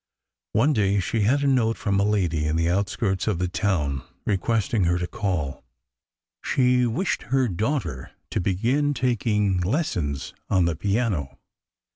One day she had a note from a lady in the outskirts of the town requesting her to call. She wished her daughter to begin taking lessons on the piano.